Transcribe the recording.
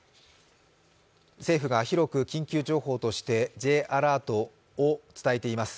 政府が広く緊急情報としてＪアラートを伝えています。